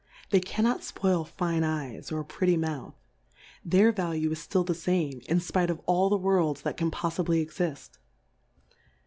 They cannot fpoil fine Eyes, or a pretty Mouth, their Value is iHU the fime, in fpite of all the Worlds that can pofli bly exift.